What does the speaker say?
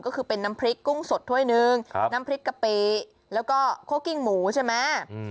ก็คือเป็นน้ำพริกกุ้งสดถ้วยหนึ่งน้ำพริกกะปิแล้วก็โค้กิ้งหมูใช่ไหม